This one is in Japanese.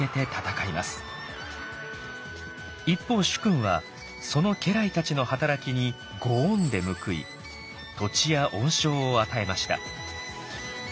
一方主君はその家来たちの働きに「御恩」で報い土地や恩賞を与えました。